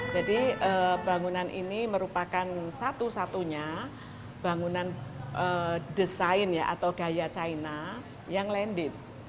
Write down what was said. bangunan ini merupakan satu satunya bangunan desain atau gaya china yang landed